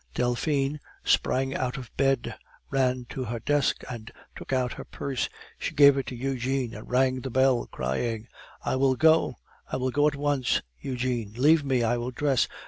Delphine sprang out of bed, ran to her desk, and took out her purse. She gave it to Eugene, and rang the bell, crying: "I will go, I will go at once, Eugene. Leave me, I will dress.